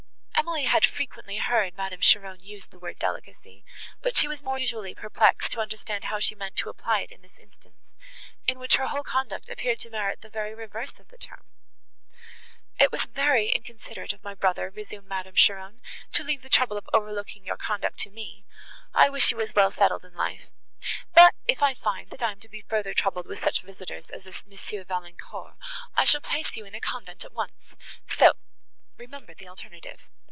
Emily had frequently heard Madame Cheron use the word delicacy, but she was now more than usually perplexed to understand how she meant to apply it in this instance, in which her whole conduct appeared to merit the very reverse of the term. "It was very inconsiderate of my brother," resumed Madame Cheron, "to leave the trouble of overlooking your conduct to me; I wish you were well settled in life. But if I find, that I am to be further troubled with such visitors as this M. Valancourt, I shall place you in a convent at once;—so remember the alternative.